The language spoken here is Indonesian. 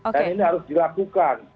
dan ini harus dilakukan